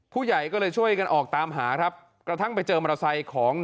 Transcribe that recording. ผู้ใหญ่ก็เลยช่วยกันออกตามหาครับกระทั่งไปเจอมอเตอร์ไซค์ของ